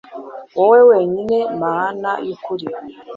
wowe wenyine Mana y’ukuri